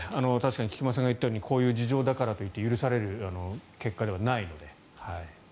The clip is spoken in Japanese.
菊間さんが言ったようにこういう事情だからといって許される結果ではないので。